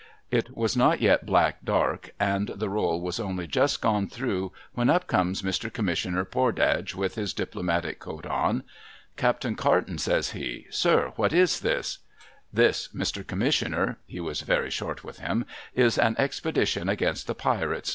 It was not yet black dark, and the roll was only just gone through, when up comes Mr. Commissioner Pordage with his Diplomatic coat on. ' Captain Carton,' says he, ' Sir, what is this ?'' This, Mr. Commissioner ' (he was very short with him), ' is an expedition against the Pirates.